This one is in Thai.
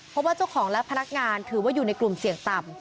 เพราะว่าเจ้าของและพนักงานถือว่าอยู่ในกลุ่มเสี่ยงต่ำ